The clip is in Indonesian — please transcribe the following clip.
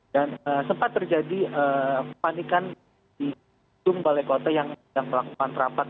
dan sempat terjadi panikan di gedung balai kota yang sedang melakukan terampak